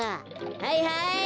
はいはい。